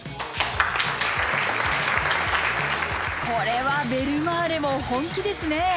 これはベルマーレも本気ですね。